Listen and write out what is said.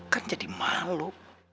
kan jadi malu